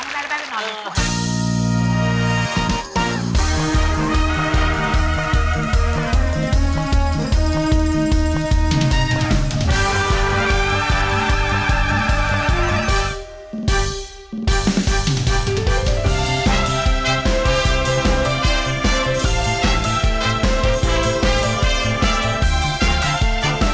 แม่เดี๋ยวไปสนตำรายให้แม่ไปนอน